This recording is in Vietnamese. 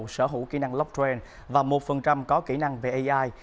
sở hữu kỹ năng blockchain và một có kỹ năng về ai